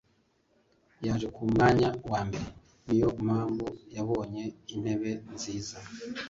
Yaje ku mwanya wa mbere. Niyo mpamvu yabonye intebe nziza.